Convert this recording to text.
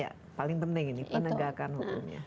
ya paling penting ini penegakan hukumnya